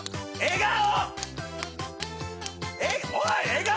笑顔！